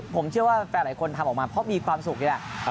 ผมเชื่อว่าแฟนหลายคนทำออกมาเพราะมีความสุขนี่แหละ